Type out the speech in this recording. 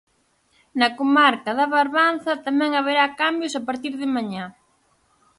Na comarca da Barbanza tamén haberá cambios a partir de mañá.